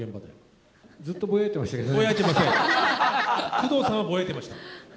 宮藤さんはぼやいてました。